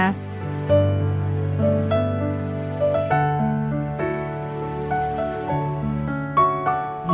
terima kasih atas hadirannya